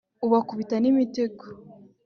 Ubakubita n'imitego